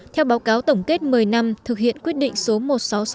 theo báo cáo tổng kết một mươi năm thực hiện quyết định số một nghìn sáu trăm sáu mươi